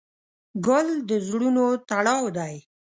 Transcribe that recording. ګل د زړونو تړاو دی.